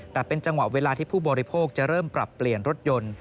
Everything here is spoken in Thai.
แต่เป็นจังหวะเวลาที่ผู้บริโภคจะเริ่มปรับเปลี่ยนรถยนต์